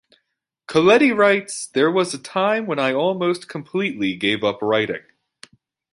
Coletti writes, There was a time when I almost completely gave up writing.